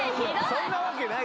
そんなわけない！